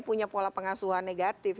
punya pola pengasuhan negatif